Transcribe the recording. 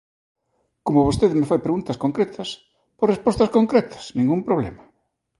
Como vostede me fai preguntas concretas, pois respostas concretas, ningún problema.